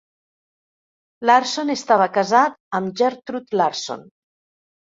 Larson estava casat amb Gertrude Larson.